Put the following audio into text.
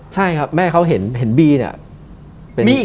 ใช่ครับแม่เขาเห็นบีเนี่ย